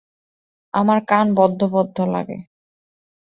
আমার কান বদ্ধ বদ্ধ লাগে।